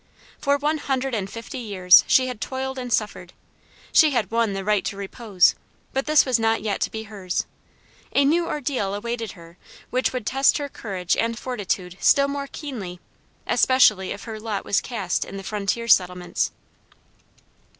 For one hundred and fifty years she had toiled and suffered. She had won the right to repose, but this was not yet to be hers. A new ordeal awaited her which would test her courage and fortitude still more keenly, especially if her lot was cast in the frontier settlements.